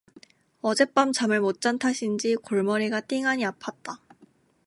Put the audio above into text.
어젯밤 잠을 못 잔 탓인지 골머리가 띵하니 아팠다.